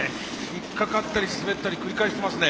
引っ掛かったり滑ったり繰り返してますね。